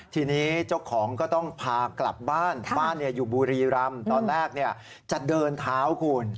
ทีนี้เจ้าของก็ต้องพากลับบ้านบ้านอยู่บุรีรำตอนแรกจะเดินเท้าคุณ